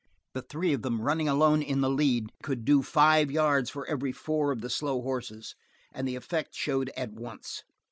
The three of them running alone the lead could do five yards for every four of the slow horses, and the effect showed at once.